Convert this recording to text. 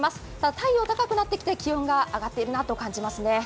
太陽高くなってきて気温が上がっているなと感じますね。